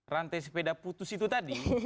rantai sepeda putus itu tadi